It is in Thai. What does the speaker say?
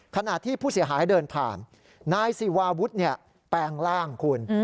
ขณะที่ผู้เสียหายเดินผ่านนายศิวาวุฒิแปลงร่างคุณ